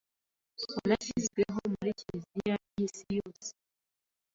wanashyizweho muri Kiliziya y’isi yose